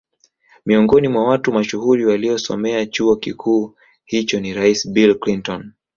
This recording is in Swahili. Miongoni mwa watu mashuhuri waliosomea chuo kikuu hicho ni rais Bill Clinton